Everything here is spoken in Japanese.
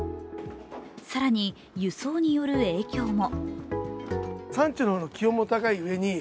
更に、輸送による影響も。